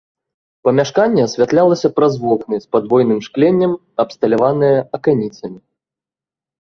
Памяшканне асвятлялася праз вокны з падвойным шкленнем, абсталяваныя аканіцамі.